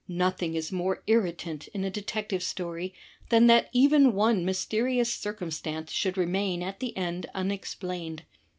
Nothing is more irritant in a detective story than that even one mysterious circum stance should remain at the end unexplamed.